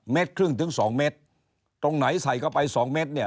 ครึ่งถึงสองเมตรตรงไหนใส่เข้าไปสองเม็ดเนี่ย